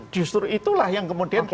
justru itulah yang kemudian